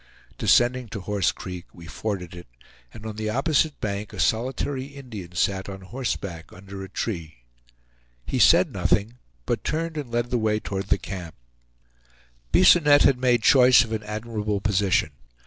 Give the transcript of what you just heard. Descending to Horse Creek we forded it, and on the opposite bank a solitary Indian sat on horseback under a tree. He said nothing, but turned and led the way toward the camp. Bisonette had made choice of an admirable position.